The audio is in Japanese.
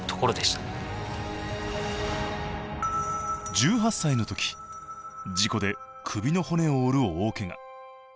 １８歳のとき事故で首の骨を折る大けが。